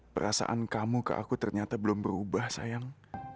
perasaan kamu ke aku ternyata belum berubah sayang